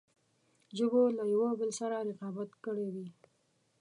ژبو له یوه بل سره رقابت کړی وي.